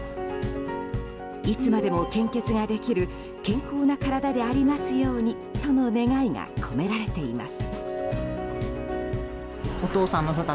いつまでも献血ができる健康な体でありますようにとの願いが込められています。